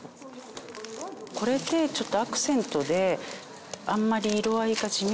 これでちょっとアクセントであんまり色合いが地味だから。